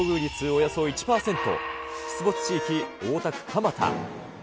およそ１％、出没地域、大田区蒲田。